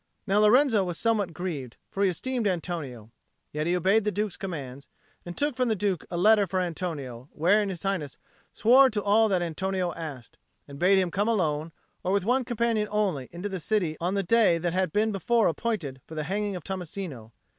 Now Lorenzo was somewhat grieved, for he esteemed Antonio; yet he obeyed the Duke's commands, and took from the Duke a letter for Antonio, wherein His Highness swore to all that Antonio asked, and bade him come alone or with one companion only into the city on the day that had been before appointed for the hanging of Tommasino.